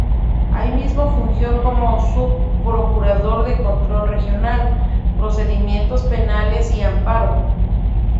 Ahí mismo fungió como "subprocurador de Control Regional, Procedimientos Penales y Amparo".